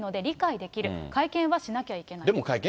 でも会見はしなきゃいけない。